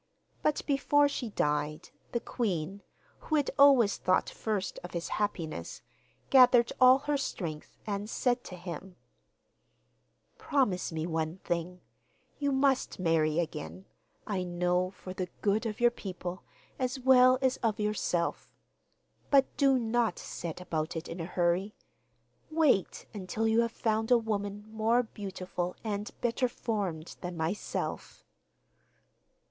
But before she died, the queen, who had always thought first of his happiness, gathered all her strength, and said to him: 'Promise me one thing: you must marry again, I know, for the good of your people, as well as of yourself. But do not set about it in a hurry. Wait until you have found a woman more beautiful and better formed than myself.